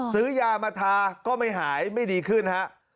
ซื้อยามาทาก็ไม่หายไม่ดีขึ้นฮะ